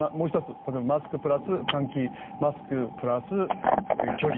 例えばマスクプラス換気マスクプラス距離。